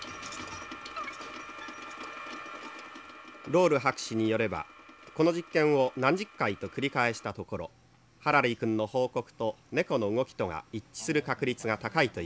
「ロール博士によればこの実験を何十回と繰り返したところハラリー君の報告と猫の動きとが一致する確率が高いというのです。